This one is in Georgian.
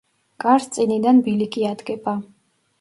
კარს წინიდან ბილიკი ადგება.